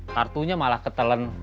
kartunya malah ketelen